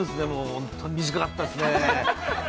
ホントに短かったですね。